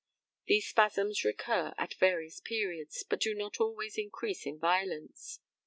These spasms recur at various periods, but do not always increase in violence.